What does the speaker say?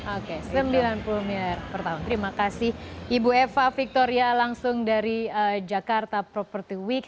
oke sembilan puluh miliar per tahun terima kasih ibu eva victoria langsung dari jakarta property week